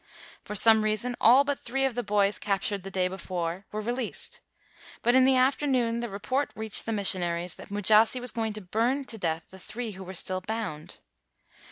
For some reason, all but three of the boys captured the day before were released; but in the afternoon the report reached the mis sionaries that Mujasi was going to burn to 212 THREE BOY HEROES death the three who were still bound.